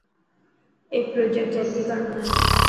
اي پرجيڪٽ جلدي ڪرڻو هي.